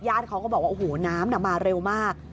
ญาติเขาก็บอกว่าน้ำมาเร็วมาก